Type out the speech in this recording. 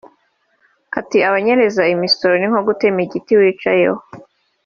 Ati “Abanyereza imisoro ni nko gutema igiti wicayeho